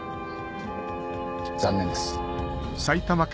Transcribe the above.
残念です。